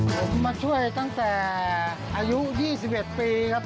ผมมาช่วยตั้งแต่อายุ๒๑ปีครับ